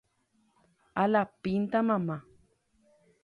Alapínta mamá